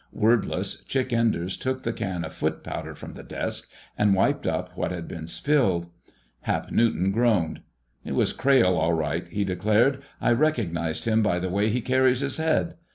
Wordless, Chick Enders took the can of foot powder from the desk and wiped up what had been spilled. Hap Newton groaned. "It was Crayle, all right," he declared. "I recognized him by the way he carries his head....